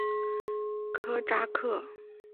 科扎克。